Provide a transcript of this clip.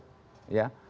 sumber apa nih